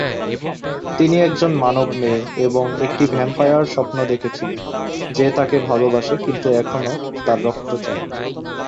তিনি একজন মানব মেয়ে এবং একটি ভ্যাম্পায়ার স্বপ্ন দেখেছিলেন, যে তাকে ভালোবাসে কিন্তু এখনও তার রক্ত চায়।